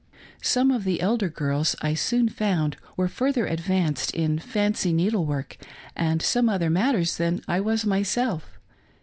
Some of the elder girls, I soon found, were further advanced in fancy needlework and some other matters than I was myself.